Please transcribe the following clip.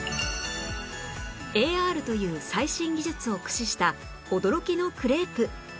ＡＲ という最新技術を駆使した驚きのクレープ